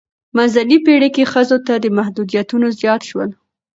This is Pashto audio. منځنۍ پیړۍ کې ښځو ته محدودیتونه زیات شول.